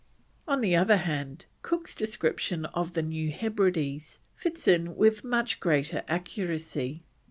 On the other hand, Cook's description of the New Hebrides fits in with much greater accuracy.